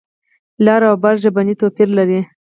لر او بر ژبنی توپیر لري.